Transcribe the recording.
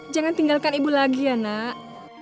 jangan tinggalkan ibu lagi ya nak